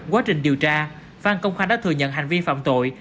quá trình điều tra phan công khanh đã thừa nhận hành vi phạm tội